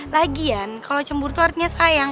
lagian kalo cemburu tuh artinya sayang